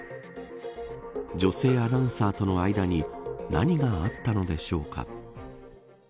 女性アナウンサーとの間に何があったのでしょうか。